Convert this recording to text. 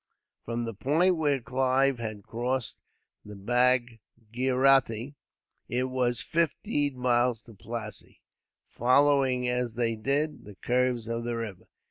From the point where Clive had crossed the Bhagirathi it was fifteen miles to Plassey, following, as they did, the curves of the river.